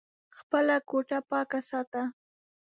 خپله کوټه پاکه ساته !